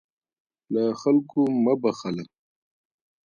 له خلکو مه بخله.